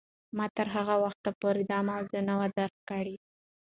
ما تر هغه وخته پورې دا موضوع نه وه درک کړې.